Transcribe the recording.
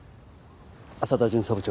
朝田巡査部長。